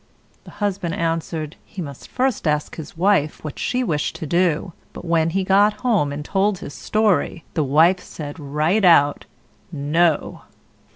The husband answered, he must first ask his wife what she wished to do; but when he got home and told his story, the wife said, right out, "No!"